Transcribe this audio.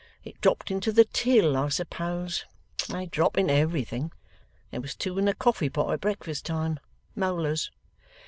It dropped into the till, I suppose. They drop into everything. There was two in the coffee pot at breakfast time. Molars.